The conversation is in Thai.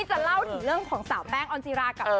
จะเล่าถึงเรื่องของสาวแป้งออนจิรากับ